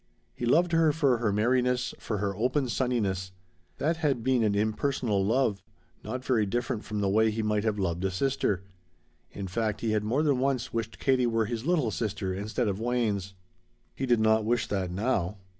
He loved her for her merriness, for her open sunniness. That had been an impersonal love, not very different from the way he might have loved a sister. In fact he had more than once wished Katie were his little sister instead of Wayne's. He did not wish that now.